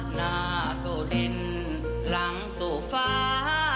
หน้าสู่ดินหลังสู่ฟ้า